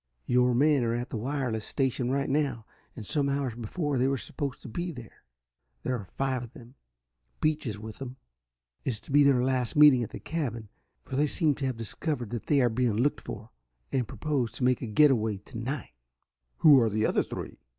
"Your men are at the wireless station right now, and some hours before they were supposed to be there. There are five of them. Beach is with them. It is to be their last meeting at the cabin, for they seem to have discovered that they are being looked for, and propose to make a getaway to night." "Who are the other three?"